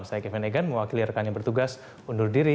saiki fan egan mewakili rekan yang bertugas undur diri